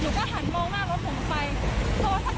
พูดค่อนข้างทัดกำลังใจก่อนวัด